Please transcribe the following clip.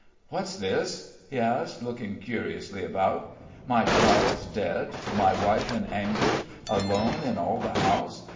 "What's this?" he asked, looking curiously about. "My child's dead. My wife in anguish, alone in all the house....